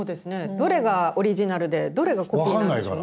どれがオリジナルでどれがコピーなんでしょうね。